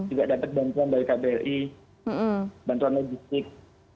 juga dapat bantuan dari kbri bantuan logistik